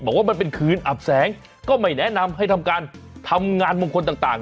บอกว่ามันเป็นคืนอับแสงก็ไม่แนะนำให้ทำการทำงานมงคลต่าง